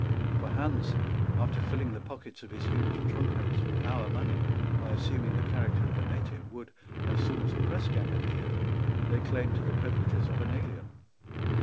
For Hans, after filling the pockets of his huge trunk hose with our money by assuming the character of a native, would, as soon as a pressgang appeared, lay claim to the privileges of an alien.